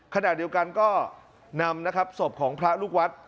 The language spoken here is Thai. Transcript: ขณะเดียวกันก็นำนะครับศพของพระลูกวัด